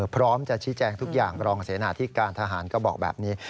พร้อมจะชี้แจงทุกอย่างรองเสนาที่การทหารก็บอกแบบนี้